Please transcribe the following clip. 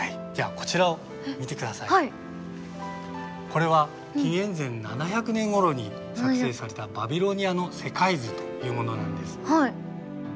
これは紀元前７００年ごろに作成されたバビロニアの世界図というものなんです。